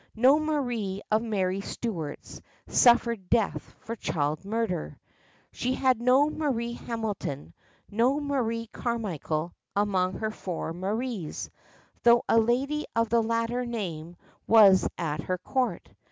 No Marie of Mary Stuart's suffered death for child murder. She had no Marie Hamilton, no Marie Carmichael among her four Maries, though a lady of the latter name was at her court.